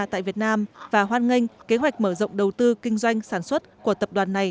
tại việt nam và hoan nghênh kế hoạch mở rộng đầu tư kinh doanh sản xuất của tập đoàn này